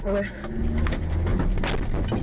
หน่อยจรร์ดจรร์ดจรร์ด